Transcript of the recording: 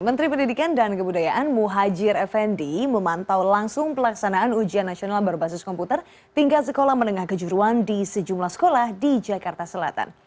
menteri pendidikan dan kebudayaan muhajir effendi memantau langsung pelaksanaan ujian nasional berbasis komputer tingkat sekolah menengah kejuruan di sejumlah sekolah di jakarta selatan